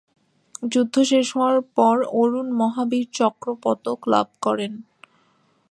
যুদ্ধ শেষ হওয়ার পর অরুন 'মহা বীর চক্র' পদক লাভ করেন।